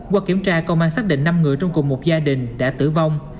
qua kiểm tra công an xác định năm người trong cùng một gia đình đã tử vong